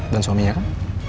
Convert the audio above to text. dan suaminya kan